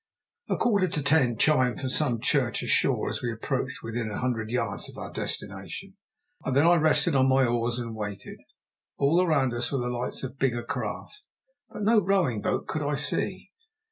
A quarter to ten chimed from some church ashore as we approached within a hundred yards of our destination. Then I rested on my oars and waited. All round us were the lights of bigger craft, but no rowing boat could I see.